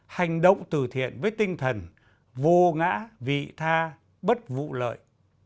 hành động từ thiện với tinh thần vô ngã vị tha bất vụ lợi